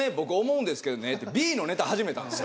ってＢのネタ始めたんすよ。